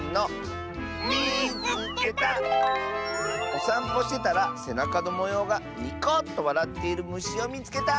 「おさんぽしてたらせなかのもようがニコッとわらっているむしをみつけた！」。